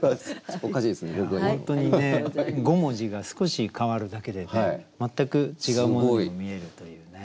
本当にね５文字が少し変わるだけでね全く違うものにも見えるというね。